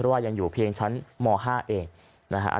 ว่ายังอยู่เพียงชั้นม๕เองนะฮะ